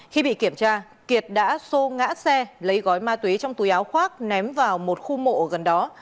khi bị kiểm tra kiệt đã xô ngã xe lấy gói ma túy trong túi áo khoác ném vào một khu mộ gần đó